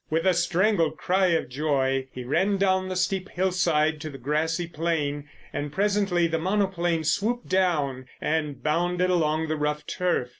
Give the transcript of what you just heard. With a strangled cry of joy he ran down the steep hillside to the grassy plain, and presently the monoplane swooped down and bounded along the rough turf.